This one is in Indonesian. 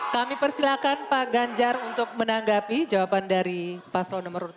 kami persilakan pak ganjar untuk menanggapi jawaban dari paslaw no dua